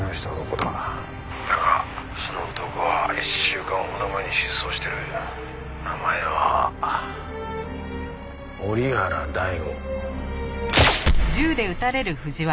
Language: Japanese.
「だがその男は１週間ほど前に失踪してる」名前は折原大吾。